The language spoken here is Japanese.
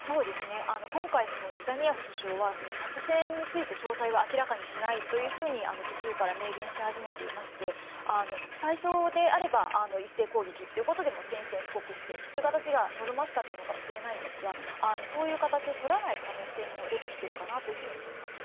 今回ネタニヤフ首相は作戦について詳細は明らかにしないと途中から明言し始めていまして最初であれば一斉攻撃ということで宣戦布告してという形が望ましかったかもしれませんがそういう形をとらない可能性も出てきていると思います。